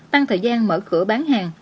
tăng thời gian mở cửa bán hàng